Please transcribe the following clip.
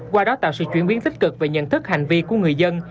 qua đó tạo sự chuyển biến tích cực về nhận thức hành vi của người dân